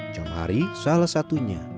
jam hari salah satunya